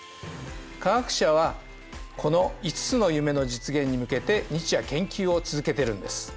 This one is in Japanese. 化学者はこの５つの夢の実現に向けて日夜研究を続けてるんです。